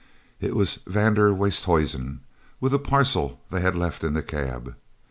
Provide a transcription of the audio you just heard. It was van der Westhuizen with a parcel they had left in the cab.